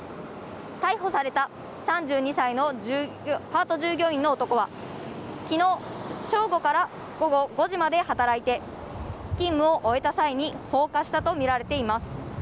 逮捕された３２歳のパート従業員の男は昨日正午から午後５時まで働いて勤務を終えた際に放火したとみられています。